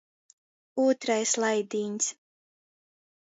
Ūtrais laidīņs.